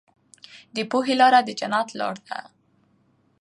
د پوهې لاره د جنت لاره ده.